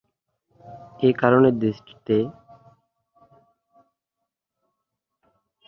এই কারণে দেশটিতে পরিবহন ব্যবস্থা গড়া কঠিন কাজ।